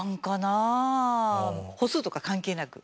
歩数とか関係なく。